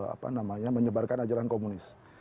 apa namanya menyebarkan ajaran komunis